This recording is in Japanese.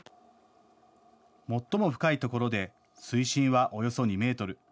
最も深いところで水深はおよそ２メートル。